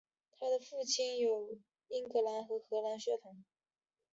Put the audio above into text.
她的父亲有英格兰和荷兰血统。